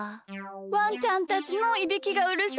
わんちゃんたちのいびきがうるさいんです。